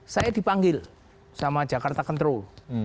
saya dipanggil sama jakarta control